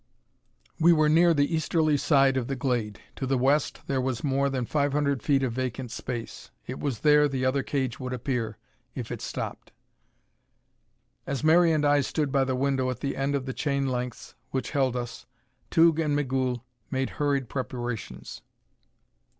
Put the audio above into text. We were near the easterly side of the glade; to the west there was more than five hundred feet of vacant space. It was there the other cage would appear, if it stopped. As Mary and I stood by the window at the end of the chain lengths which held us, Tugh and Migul made hurried preparations.